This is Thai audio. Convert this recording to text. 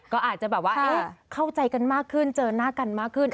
ก็อาจจะแบบว่าเข้าใจกันมากขึ้นเจอหน้ากันมากขึ้น